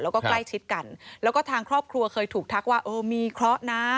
แล้วก็ใกล้ชิดกันแล้วก็ทางครอบครัวเคยถูกทักว่าเออมีเคราะห์นะ